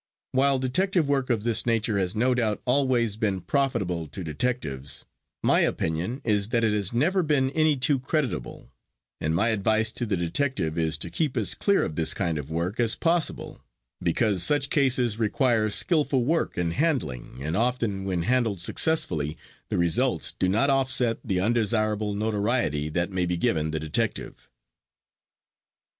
While detective work of this nature has no doubt always been profitable to detectives, my opinion is that it has never been any too creditable, and my advice to the detective is to keep as clear of this kind of work as possible, because such cases require skillful work and handling, and often when handled successfully, the results do not offset the undesirable notoriety that may be given the detective.